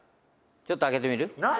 「ちょっと開けてみる？」